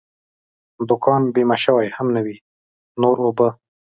دوکان بیمه شوی هم نه وي، نور اوبه.